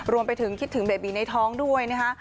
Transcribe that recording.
รวมไปถึงคิดถึงเบบีในท้องด้วยนะคะ